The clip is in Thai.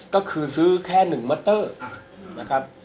ก็คือซื้อแค่๑มอเตอร์นะครับ